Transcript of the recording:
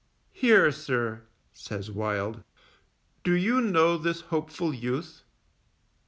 Here, sir, says Wild, _do you know this hopeful youth?